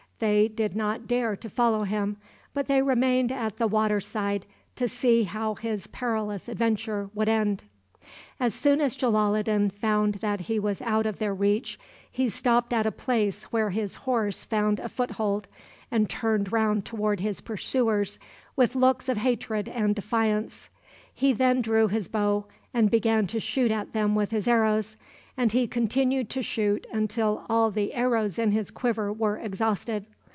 They did not dare to follow him, but they remained at the water side to see how his perilous adventure would end. As soon as Jalaloddin found that he was out of their reach, he stopped at a place where his horse found a foothold, and turned round toward his pursuers with looks of hatred and defiance. He then drew his bow, and began to shoot at them with his arrows, and he continued to shoot until all the arrows in his quiver were exhausted.